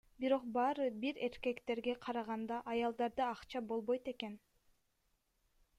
Бирок баары бир эркектерге караганда аялдарда акча болбойт экен.